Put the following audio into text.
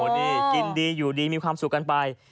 นี่กินดีอยู่ดีมีความสุขกันไป